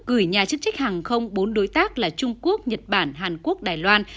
gửi nhà chức trách hàng không bốn đối tác là trung quốc nhật bản hàn quốc đài loan